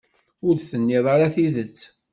Ur d-tenniḍ ara tidet.